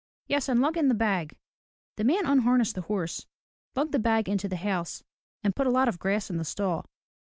Yes, and lug in the bag.*' The man unharnessed the horse, lugged the bag into the house, and put a lot of grass in the stall.